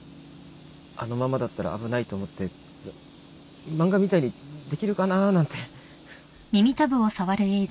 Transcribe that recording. あのままだったら危ないと思って漫画みたいにできるかなぁなんて。